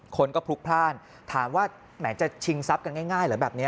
คนก็พลุกพลาดถามว่าแหมจะชิงทรัพย์กันง่ายเหรอแบบนี้